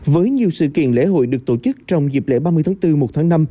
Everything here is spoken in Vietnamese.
với nhiều sự kiện lễ hội được tổ chức trong dịp lễ ba mươi tháng bốn một tháng năm